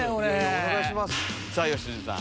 さぁ良純さん